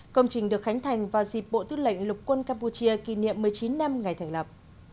công trình được khánh thành vào dịp bộ tư lệnh lục quân campuchia kỷ niệm một mươi chín năm ngày thành lập